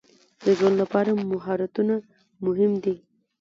د ژوند لپاره مهارتونه مهم دي.